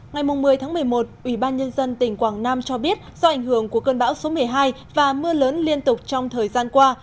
ngày một mươi một mươi một ubnd tỉnh quảng nam cho biết do ảnh hưởng của cơn bão số một mươi hai và mưa lớn liên tục trong thời gian qua